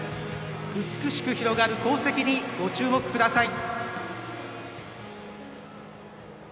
美しく広がる航跡にご注目ください。